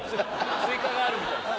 追加があるみたいです。